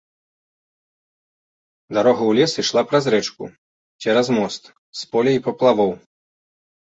Дарога ў лес ішла праз рэчку, цераз мост, з поля і паплавоў.